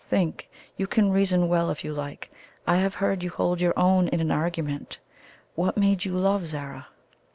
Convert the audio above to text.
"Think! You can reason well if you like I have heard you hold your own in an argument. What made you love Zara?"